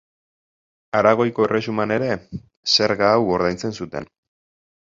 Aragoiko Erresuman ere zerga hau ordaintzen zuten.